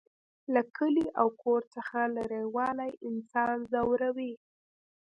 له کلي او کور څخه لرېوالی انسان ځوروي